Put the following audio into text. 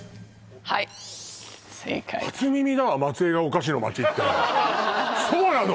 はい正解初耳だわ松江がお菓子の街ってそうなの？